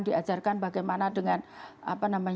jadi ada diajarkan bagaimana mungkin dengan perbankan diajarkan